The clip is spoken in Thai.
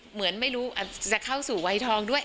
เหมือนไม่รู้อาจจะเข้าสู่วัยทองด้วย